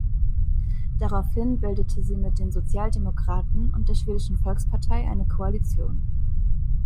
Daraufhin bildete sie mit den Sozialdemokraten und der Schwedischen Volkspartei eine Koalition.